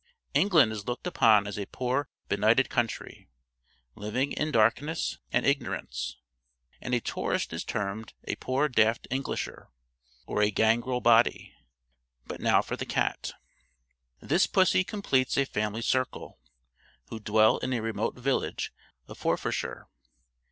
England is looked upon as a poor benighted country, living in darkness and ignorance; and a tourist is termed a "poor daft Englisher," or a "gangrel body." But now for the cat. This pussy completes a family circle, who dwell in a remote village of Forfarshire.